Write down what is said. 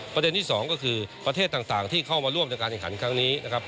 ประเด็นที่๒ก็คือประเทศต่างที่เข้ามาร่วมกันการในครั้งนี้